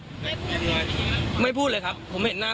เรื่องงานครับเขาชอบฟ้องครับเขาชอบฟ้อง